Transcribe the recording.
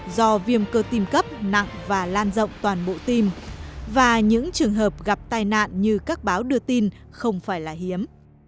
do viêm cơ tim cấp nặng và lan rộng toàn bộ tim và những trường hợp gặp tai nạn như các báo đưa tin không phải là hiếm